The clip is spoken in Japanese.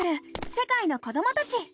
世界の子どもたち」。